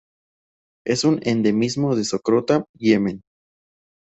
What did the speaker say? Es un endemismo de Socotra, Yemen.